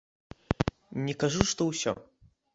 Не кажу, што ўсе.